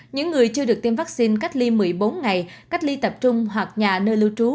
những người chưa được tiêm vaccine cách ly một mươi bốn ngày cách ly tập trung hoặc nhà nơi lưu trú